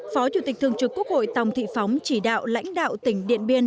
phó chủ tịch thương trực quốc hội tổng thị phóng chỉ đạo lãnh đạo tỉnh điện biên